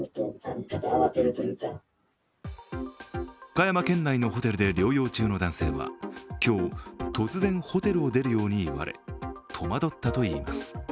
岡山県内のホテルで療養中の男性は今日、突然ホテルを出るように言われ戸惑ったといいます。